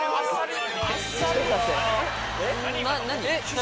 何？